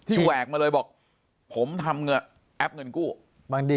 ปากกับภาคภูมิ